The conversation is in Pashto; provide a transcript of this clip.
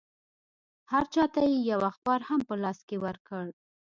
هر چا ته یې یو اخبار هم په لاس کې ورکړ.